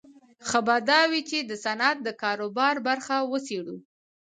ښه به دا وي چې د صنعت د کاروبار برخه وڅېړو